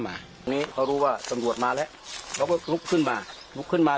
มานี่เขารู้ว่าตำรวจมาแล้วเขาก็ลุกขึ้นมาลุกขึ้นมา